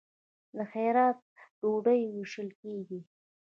د خیرات ډوډۍ ویشل کیږي.